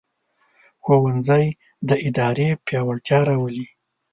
ښوونځی د ارادې پیاوړتیا راولي